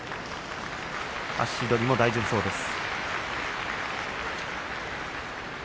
足取りも大丈夫そうです。